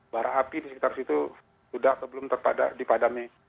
barah api di sekitar situ sudah atau belum terpadam